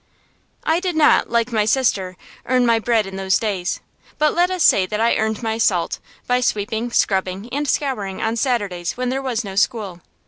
I did not, like my sister, earn my bread in those days; but let us say that I earned my salt, by sweeping, scrubbing, and scouring, on Saturdays, when there was no school.